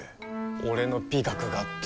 俺の美学がって。